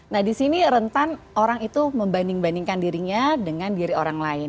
nah di sini rentan orang itu membanding bandingkan dirinya dengan diri orang lain